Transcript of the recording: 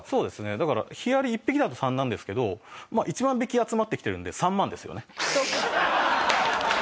だからヒアリ１匹だと３なんですけど１万匹集まってきているので３万ですよね。